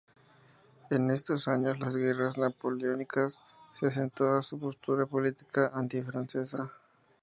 En estos años de las guerras Napoleónicas se acentúa su postura política antifrancesa.